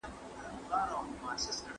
د دولت عایدات ورځ تر بلي کميدل.